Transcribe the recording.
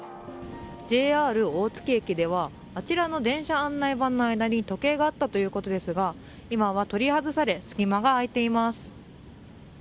ＪＲ大月駅ではあちらの電車案内板の間に時計があったということですが今は取り外され隙間が空いています。